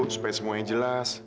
supaya semuanya jelas